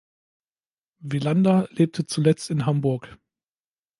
Vilander lebte zuletzt in Hamburg.